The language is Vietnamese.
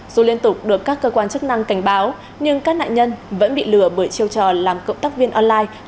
dù liên tục được các cơ quan chức năng cảnh báo nhưng các nạn nhân vẫn bị lừa bởi chiêu trò làm cộng tác viên online